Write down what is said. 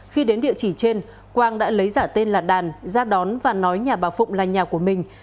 khi đến địa chỉ trên quang đã lấy giả tên là đàn ra đón và nói nhà bà phụng là nhà của mình